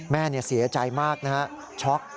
แม่เสียใจมากนะฮะช็อก